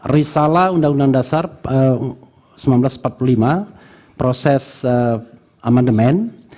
risalah undang undang dasar seribu sembilan ratus empat puluh lima proses amandemen